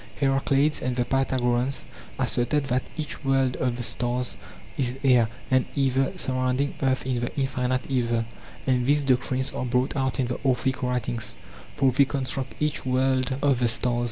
Herakleides and the Pythagoreans asserted that each world [xdcpos] of the stars is air and aether surrounding earth in the infinite aether. And these doctrines are brought out in the Orphic writings, for they construct each world of the stars.